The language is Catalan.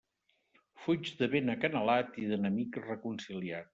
Fuig de vent acanalat i d'enemic reconciliat.